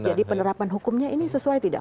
jadi penerapan hukumnya ini sesuai tidak